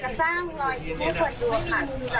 เป็นความที่แบบว่าทำยังไงอ่ะ